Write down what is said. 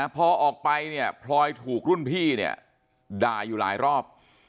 พอออกไปพลอยถูกรุ่นพี่ด่ายอยู่หลายรอบ